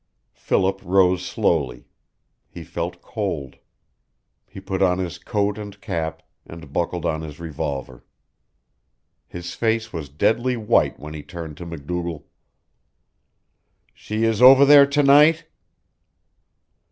Philip rose slowly. He felt cold. He put on his coat and cap, and buckled on his revolver. His face was deadly white when he turned to MacDougall. "She is over there to night?"